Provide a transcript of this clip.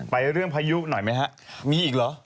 เรื่องพายุหน่อยไหมฮะมีอีกเหรอ